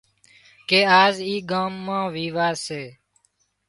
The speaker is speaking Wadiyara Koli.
ڪي آز اِي ڳام مان ويواه سي